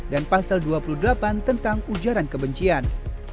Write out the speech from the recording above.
dan pasal dua puluh delapan tentang ujaran kebencian